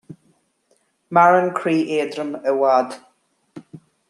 Maireann croí éadrom i bhfad